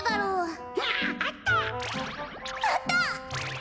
あった！